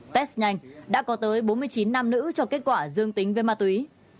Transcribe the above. test nhanh đã có tới bốn mươi chín nam nữ cho kết quả dương tính với ma túy